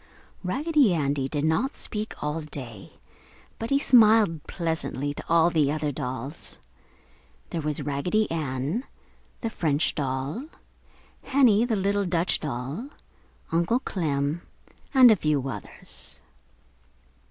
Raggedy Andy did not speak all day, but he smiled pleasantly to all the other dolls. There was Raggedy Ann, the French doll, Henny, the little Dutch doll, Uncle Clem, and a few others.